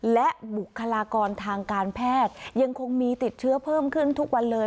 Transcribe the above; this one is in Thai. และบุคลากรทางการแพทย์ยังคงมีติดเชื้อเพิ่มขึ้นทุกวันเลย